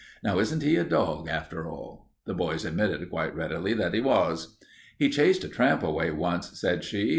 Now isn't he a dog, after all?" The boys admitted quite readily that he was. "He chased a tramp away once," said she.